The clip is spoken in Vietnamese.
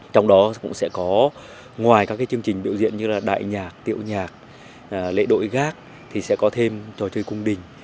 trong đó cũng sẽ có ngoài các chương trình biểu diễn như là đại nhạc điệu nhạc lễ đội gác thì sẽ có thêm trò chơi cung đình